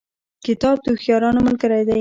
کتاب د هوښیارانو ملګری دی.